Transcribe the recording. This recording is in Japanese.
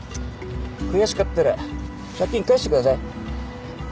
悔しかったら借金返してください。